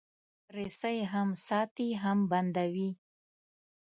رسۍ هم ساتي، هم بندوي.